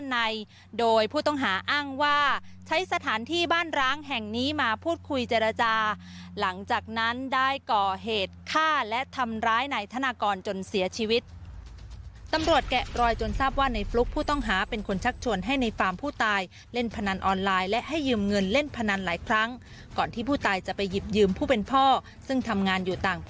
ในโดยผู้ต้องหาอ้างว่าใช้สถานที่บ้านร้างแห่งนี้มาพูดคุยเจรจาหลังจากนั้นได้ก่อเหตุฆ่าและทำร้ายนายธนากรจนเสียชีวิตตำรวจแกะรอยจนทราบว่าในฟลุ๊กผู้ต้องหาเป็นคนชักชวนให้ในฟาร์มผู้ตายเล่นพนันออนไลน์และให้ยืมเงินเล่นพนันหลายครั้งก่อนที่ผู้ตายจะไปหยิบยืมผู้เป็นพ่อซึ่งทำงานอยู่ต่าง